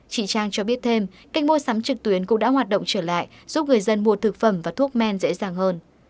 chị trang cho biết thêm kênh mua sắm trực tuyến cũng đã hoạt động trở lại giúp người dân mua thực phẩm và thuốc men dễ dàng hơn